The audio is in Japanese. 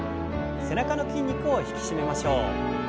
背中の筋肉を引き締めましょう。